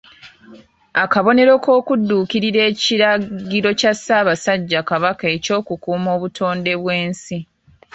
Akabonero k’okudduukirira ekiragiro kya Ssaabasajja Kabaka eky’okukuuma obutonde bw’ensi.